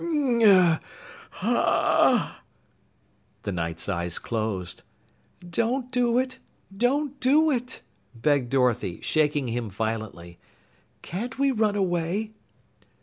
"Hah, hoh, hum! Hah !" The Knight's eyes closed. "Don't do it, don't do it!" begged Dorothy, shaking him violently. "Can't we run away?"